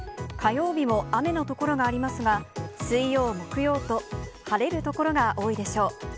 火曜日も雨の所がありますが、水曜、木曜と、晴れる所が多いでしょう。